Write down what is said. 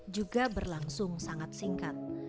juga berlangsung sangat singkat